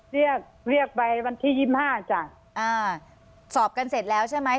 เรียกเรียกไปวันที่ยี่ห้าจ้ะอ่าสอบกันเสร็จแล้วใช่ไหม